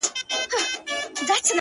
• ځکه تاته په قسمت لیکلی اور دی ,